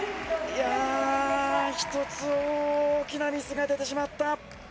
一つ大きなミスが出てしまった。